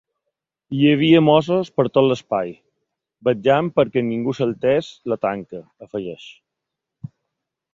Hi havia mossos per tot l’espai vetllant perquè ningú saltés la tanca, afegeix.